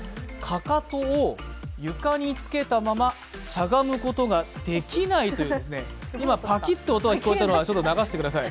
かかとを床につけたまましゃがむことができないという今、パキッという音が聞こえたのは流しておいてください。